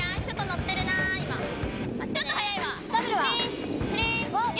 ちょっと乗ってるな、今。